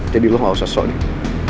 jadi lo gak usah sok nih